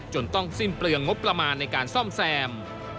จนต้องสิ้นเปลืองงบประมาณในการซ่อมแซม